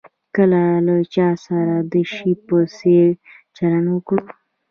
که له چا سره د شي په څېر چلند وکړو.